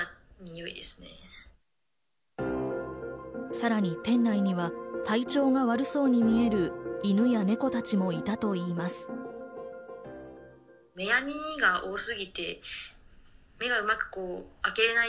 さらに店内には体調が悪そうに見える犬や猫たちもいたといいます。